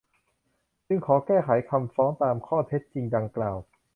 จึงขอแก้ไขคำฟ้องตามข้อเท็จจริงดังกล่าว